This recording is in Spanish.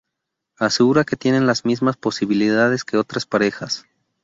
Asegura que tienen las mismas posibilidades que otras parejas.